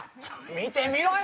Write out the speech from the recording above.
見てみろよ！